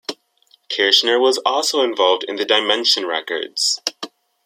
Kirshner was also involved in Dimension Records.